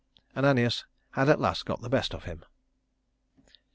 Ananias had at last got the best of him.